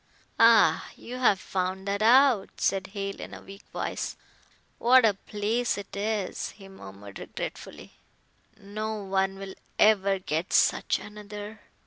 "Ah, you have found that out," said Hale in a weak voice; "what a place it is," he murmured regretfully, "no one will ever get such another.